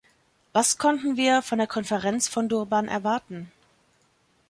Was konnten wir von der Konferenz von Durban erwarten?